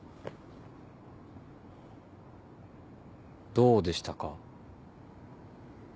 どうでしたか？